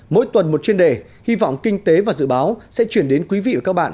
mỗi tuần một chuyên đề hy vọng kinh tế và dự báo sẽ chuyển đến quý vị và các bạn